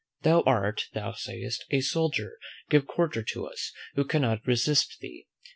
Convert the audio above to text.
Thou art, thou sayest, a soldier; give quarter to us, who cannot resist thee.